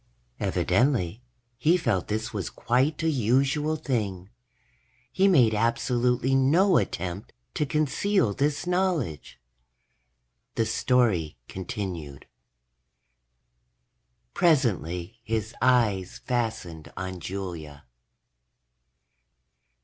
Evidently, he felt this was quite a usual thing. He made absolutely no attempt to conceal this knowledge. The story continued: _... presently his eyes fastened on Julia.